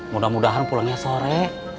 mudah mudahan pulangnya sore